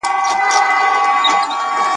ښکاري کله وي په غم کي د مرغانو `